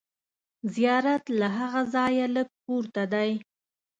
زیارت له هغه ځایه لږ پورته دی.